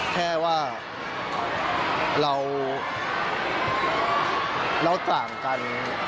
แค่ว่าเราต่างกัน